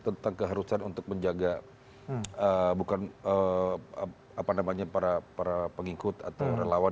tentang keharusan untuk menjaga bukan para pengikut atau relawan